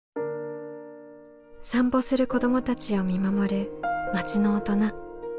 散歩する子どもたちを見守る町の大人。